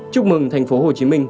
chúc mừng tp hcm